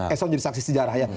eh soalnya saksi sejarah ya